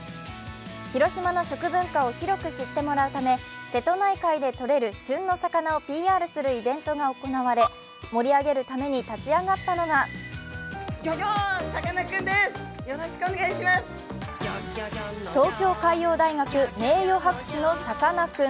広島の食文化を広く知ってもらうため、差せと内科医でとれる旬の魚をＰＲするイベントが行われ盛り上げるために立ち上がったのが東京海洋大学名誉博士のさかなクン。